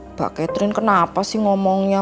mbak catherine kenapa sih ngomongnya